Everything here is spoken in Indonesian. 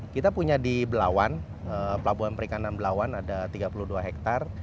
kita punya di belawan pelabuhan perikanan belawan ada tiga puluh dua hektare